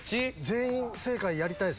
全員正解やりたいっすね。